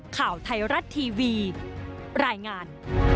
ข่าวไทยรัฐทีวีรายงาน